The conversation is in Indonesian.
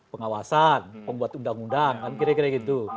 pengawasan pembuat undang undang kan kira kira gitu